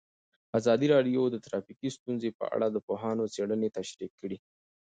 ازادي راډیو د ټرافیکي ستونزې په اړه د پوهانو څېړنې تشریح کړې.